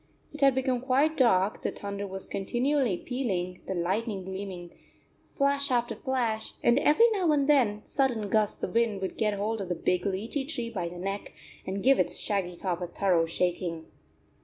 It had become quite dark, the thunder was continually pealing, the lightning gleaming flash after flash, and every now and then sudden gusts of wind would get hold of the big lichi tree by the neck and give its shaggy top a thorough shaking.